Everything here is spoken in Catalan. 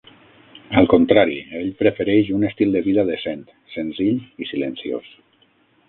Al contrari, ell prefereix un estil de vida decent, senzill i silenciós.